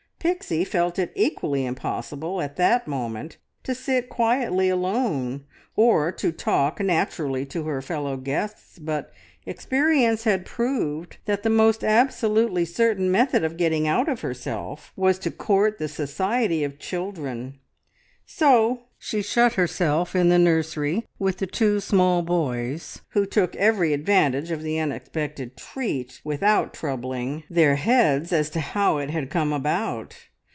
Pixie felt it equally impossible at that moment to sit quietly alone, or to talk naturally to her fellow guests, but experience had proved that the most absolutely certain method of getting out of herself was to court the society of children. So she shut herself in the nursery with the two small boys, who took eery advantage of the unexpected treat without troubling their heads as to how it had come about.